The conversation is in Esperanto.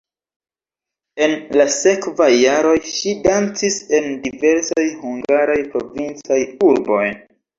En la sekvaj jaroj ŝi dancis en diversaj hungaraj provincaj urboj.